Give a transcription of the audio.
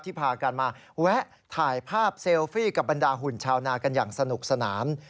พากันมาแวะถ่ายภาพเซลฟี่กับบรรดาหุ่นชาวนากันอย่างสนุกสนาน